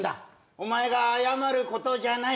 お前が謝ることじゃない。